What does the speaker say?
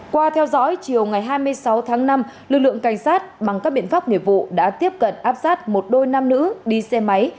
qua theo dõi chiều ngày hai mươi sáu tháng năm lực lượng cảnh sát bằng các biện pháp nghiệp vụ đã tiếp cận áp sát một đôi nam nữ đi xe máy